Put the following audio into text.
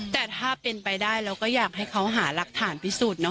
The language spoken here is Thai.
แต่ถ้าเป็นไปได้เราก็อยากให้เขาหารักฐานพิสูจนเนอ